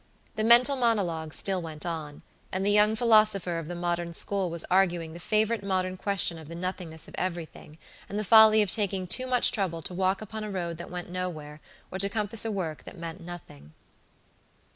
The mental monologue still went on, and the young philosopher of the modern school was arguing the favorite modern question of the nothingness of everything, and the folly of taking too much trouble to walk upon a road that went nowhere, or to compass a work that meant nothing.